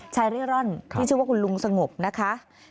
เร่ร่อนที่ชื่อว่าคุณลุงสงบนะคะ